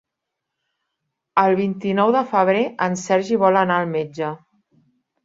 El vint-i-nou de febrer en Sergi vol anar al metge.